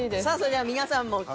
さあそれでは皆さんも。